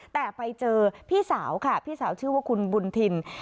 แต่ไปเจอพี่สาวค่ะพี่สาวชื่อว่าคุณบุญทิน